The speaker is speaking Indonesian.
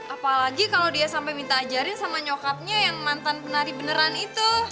apalagi kalau dia sampai minta ajarin sama nyokapnya yang mantan penari beneran itu